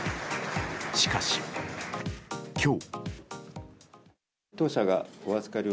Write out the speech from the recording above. しかし、今日。